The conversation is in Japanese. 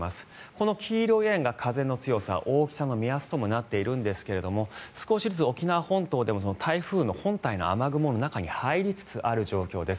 この黄色い円が風の強さ大きさの目安ともなっているんですが少しずつ沖縄本島でも台風の本体に雨雲の中に入りつつある状況です。